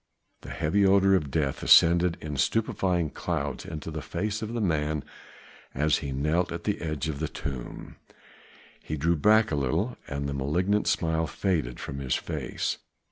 The heavy odor of death ascended in stupefying clouds into the face of the man as he knelt at the edge of the tomb. He drew back a little, and the malignant smile faded from his face.